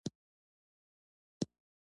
جینونه څنګه وراثت لیږدوي؟